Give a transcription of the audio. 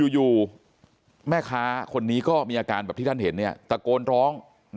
อยู่แม่ค้าคนนี้ก็มีอาการแบบที่ท่านเห็นตะโกนร้อง